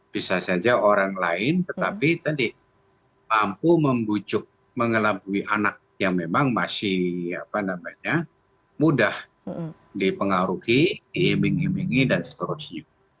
bisa saja orang lain tetapi tadi mampu membucuk mengelabui anak yang memang masih apa namanya mudah dipengaruhi diimbingi imbingi dan seterusnya